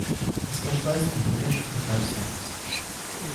He specialised in British Empire stamps.